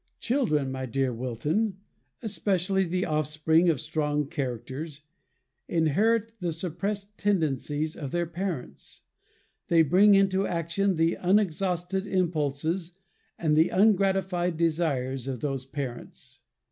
Children, my dear Wilton, especially the offspring of strong characters, inherit the suppressed tendencies of their parents. They bring into action the unexhausted impulses and the ungratified desires of those parents.